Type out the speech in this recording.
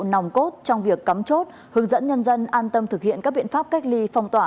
nòng cốt trong việc cắm chốt hướng dẫn nhân dân an tâm thực hiện các biện pháp cách ly phong tỏa